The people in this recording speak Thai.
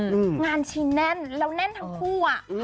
งานชิงแน่นแล้วแน่นทั้งคู่อ่ะ